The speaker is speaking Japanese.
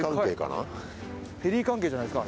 ペリー関係じゃないですか？